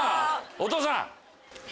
お父さん！